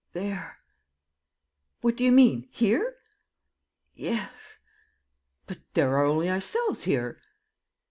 "There. ..." "What do you mean? Here?" "Yes." "But there are only ourselves here!"